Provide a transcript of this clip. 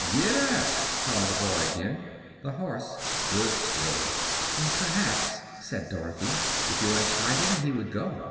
"Gid dap!" called the boy, again. The horse stood still. "Perhaps," said Dorothy, "if you untied him, he would go."